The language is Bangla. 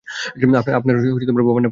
আপনার বাবার নাম কী?